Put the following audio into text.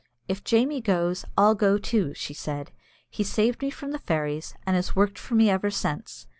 "If Jamie goes, I'll go too," she said. "He saved me from the fairies, and has worked for me ever since.